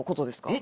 え？